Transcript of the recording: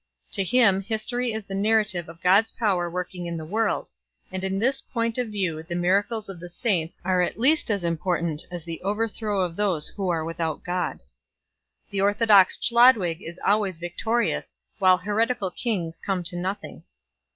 To him history is the narrative of God s power working in the world, and in this point of view the miracles of the saints are at least as important as the overthrow of those who are without God. The orthodox Chlodwig is always victorious, while heretical kings come to nothing.